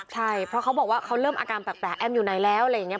ใช่เพราะเขาบอกว่าเขาเริ่มอาการแปลกแอมอยู่ไหนแล้วอะไรอย่างนี้